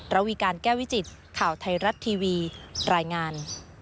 ระวีการแก้วิจิตข่าวไทยรัฐทีวีรายงาน